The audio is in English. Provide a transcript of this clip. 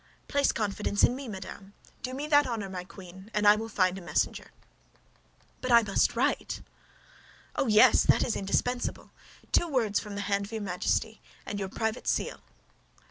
"Place confidence in me, madame; do me that honor, my queen, and I will find a messenger." "But I must write." "Oh, yes; that is indispensable. Two words from the hand of your Majesty and your private seal."